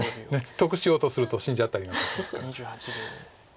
得しようとすると死んじゃったりなんかしますから。